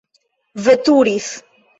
veturis